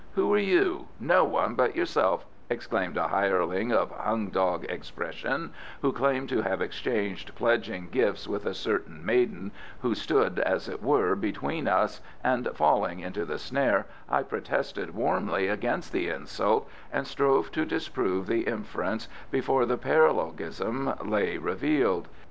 "Who are you, no one but yourself," exclaimed a hireling of hung dog expression who claimed to have exchanged pledging gifts with a certain maiden who stood, as it were, between us, and falling into the snare, I protested warmly against the insult, and strove to disprove the inference before the paralogism lay revealed.